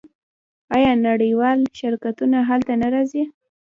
آیا نړیوال شرکتونه هلته نه راځي؟